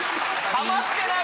ハマってない。